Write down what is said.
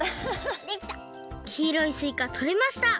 きいろいすいかとれました！